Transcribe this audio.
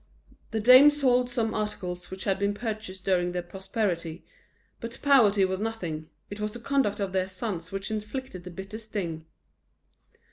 The dame sold some articles which had been purchased during their prosperity. But poverty was nothing; it was the conduct of their sons which inflicted the bitter sting.